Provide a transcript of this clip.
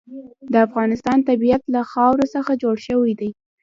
د افغانستان طبیعت له خاوره څخه جوړ شوی دی.